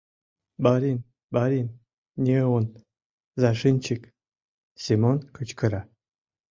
— Барин... барин, не он зашинчик, — Семон кычкыра.